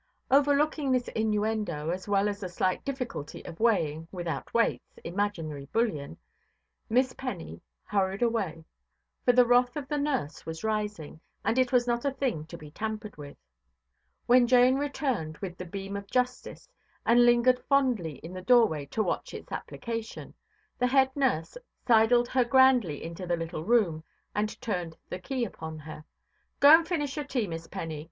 Overlooking this innuendo, as well as the slight difficulty of weighing, without weights, imaginary bullion, Miss Penny hurried away; for the wrath of the nurse was rising, and it was not a thing to be tampered with. When Jane returned with the beam of justice, and lingered fondly in the doorway to watch its application, the head–nurse sidled her grandly into the little room, and turned the key upon her. "Go and finish your tea, Miss Penny.